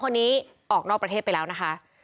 คนนี้ออกนอกประเทศไปแล้วนะคะ